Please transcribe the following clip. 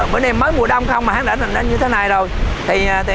bữa nay mới mùa đông không mà hát đoạn sạt lở như thế này rồi